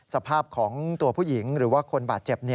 สภาพของตัวผู้หญิงหรือว่าคนบาดเจ็บ